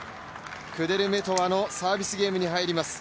クデルメトワのサービスゲームに入ります。